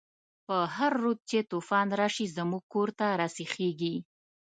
په هر رود چی توفان راشی، زمونږ کور ته راسیخیږی